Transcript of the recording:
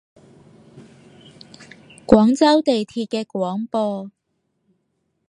廣州地鐵嘅廣播